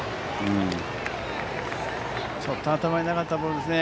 ちょっと頭になかったボールですね。